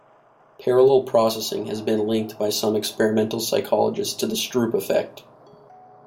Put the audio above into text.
Parallel processing has been linked, by some experimental psychologists, to the Stroop effect.